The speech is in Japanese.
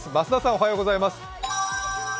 おはようございます。